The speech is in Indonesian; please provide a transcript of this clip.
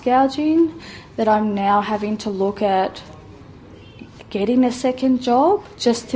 saya sekarang mempunyai kesempatan untuk melihat keputusan untuk memulai pekerjaan kedua